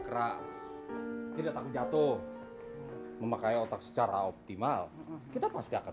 kalian pikir cari uang gampang